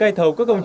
ma túy xuống để